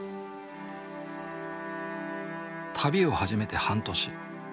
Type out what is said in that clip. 旅を始めて半年。